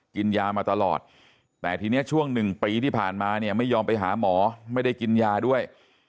กินยามาตลอดแต่ทีนี้ช่วงหนึ่งปีที่ผ่านมาเนี่ยไม่ยอมไปหาหมอไม่ได้กินยาด้วย